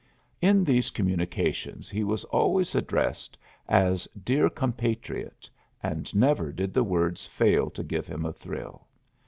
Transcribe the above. In these communications he was always addressed as "Dear Compatriot," and never did the words fail to give him a thrill.